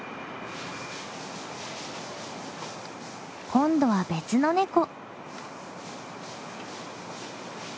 今度は別のネコ。